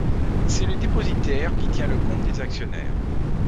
C'est le dépositaire qui tient le compte des actionnaires.